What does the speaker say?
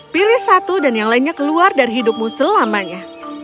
pilih satu dan yang lainnya keluar dari hidupmu selamanya